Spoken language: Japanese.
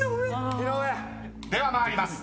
［では参ります］